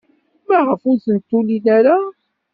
Maɣef ur tent-tulil ara?